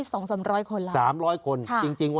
ต้นกระทั่งท่านพลตำรวจเอกศีเวลาต้องบอก